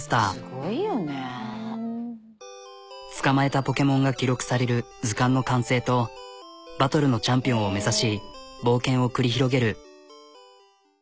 捕まえたポケモンが記録される図鑑の完成とバトルのチャンピオンを目指し冒険を繰り広げる。